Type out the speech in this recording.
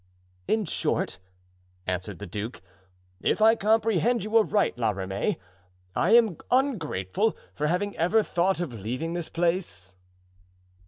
"In short," answered the duke, "if I comprehend you aright, La Ramee, I am ungrateful for having ever thought of leaving this place?"